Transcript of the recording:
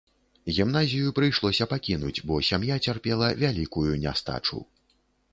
Гімназію прыйшлося пакінуць, бо сям'я цярпела вялікую нястачу.